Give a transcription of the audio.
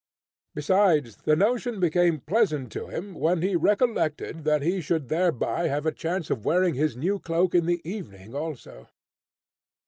Besides, the notion became pleasant to him when he recollected that he should thereby have a chance of wearing his new cloak in the evening also.